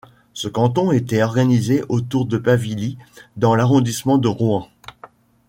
Ce canton était organisé autour de Pavilly dans l'arrondissement de Rouen.